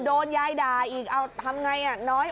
โดนยายด่าอีกเอาทำไงน้อย